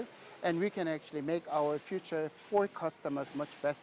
dan kami bisa membuat pelanggan kita lebih baik